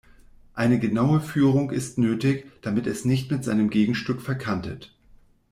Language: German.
Eine genaue Führung ist nötig, damit es nicht mit seinem Gegenstück verkantet.